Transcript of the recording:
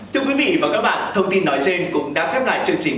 thưa quý vị và các bạn thông tin nói trên cũng đã khép lại chương trình